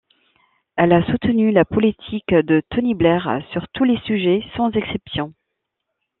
Elle a soutenu la politique de Tony Blair sur tous les sujets, sans exception.